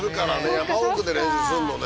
山奥で練習すんのね